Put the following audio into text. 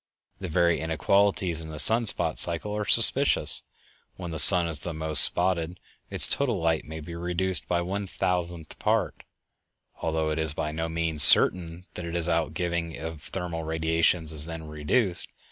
The very inequalities in the sun spot cycle are suspicious. When the sun is most spotted its total light may be reduced by one thousandth part, although it is by no means certain that its outgiving of thermal radiations is then reduced.